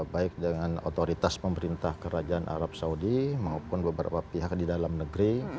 baik dengan otoritas pemerintah kerajaan arab saudi maupun beberapa pihak di dalam negeri